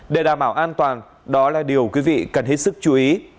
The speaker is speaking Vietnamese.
để đảm bảo an toàn đó là điều quý vị cần hết sức chú ý